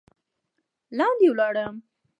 لاندې ولاړم.